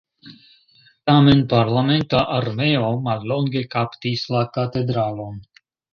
Tamen parlamenta armeo mallonge kaptis la katedralon.